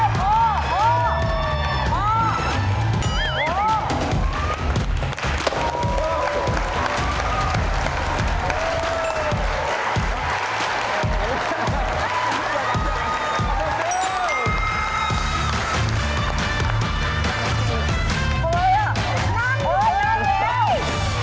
ตัวเตอะอะไรทำไมต้องใช้หมายจริงด้วย